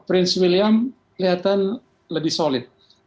raja charles kelihatan lebih solid